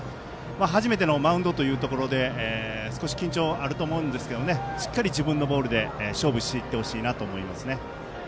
初めてのマウンドということで少し緊張もあると思いますがしっかり自分のボールで勝負していってほしいなと思います。